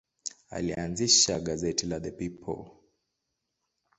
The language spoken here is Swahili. Alianzisha gazeti la The People.